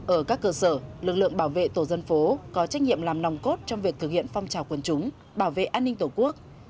ở các cơ sở lực lượng bảo vệ tổ dân phố có trách nhiệm làm nòng cốt trong việc thực hiện phong trào quân chúng bảo vệ an ninh tổ quốc